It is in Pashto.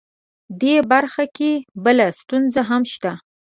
دې برخه کې بله ستونزه هم شته